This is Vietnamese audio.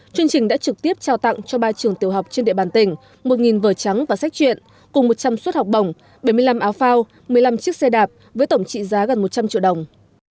chương trình đã trực tiếp trao tặng cho ba trường tiểu học trên địa bàn tỉnh một vở trắng và sách chuyện cùng một trăm linh suất học bổng bảy mươi năm áo phao một mươi năm chiếc xe đạp với tổng trị giá gần một trăm linh triệu đồng